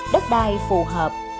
đất đai phù hợp